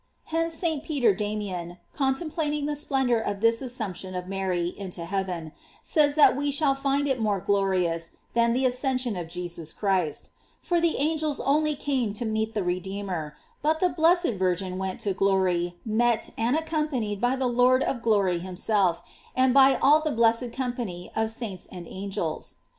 f Hence St. Peter Damian, coutemplating the splendor of this assumption of Mary into heaven, says that we shall find it more glorious than the ascension of Jesus Christ; for the angels only came to meet the Redeemer, but the blessed Virgin went to glory met and accompanied by the Lord of glory himself, and by all the blessed company of saints and angels.